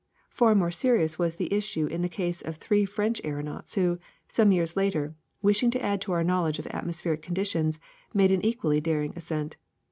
Far more serious was the issue in the case of three French aeronauts who, some years later, wishing to add to our knowledge of atmos pheric conditions, made an equally daring ascent.